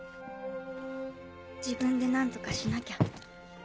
自分で何とかしなきゃ。